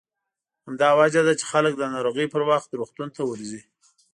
همدا وجه ده چې خلک د ناروغۍ پر وخت روغتون ته ورځي.